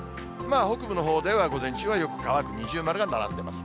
北部のほうでは午前中はよく乾く、二重丸が並んでます。